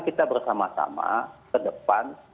kita bersama sama ke depan